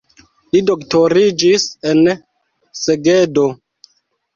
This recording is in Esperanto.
Li doktoriĝis en Segedo.